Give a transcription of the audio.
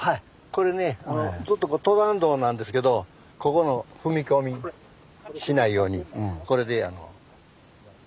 これねずっと登山道なんですけどここの踏み込みしないようにこれで。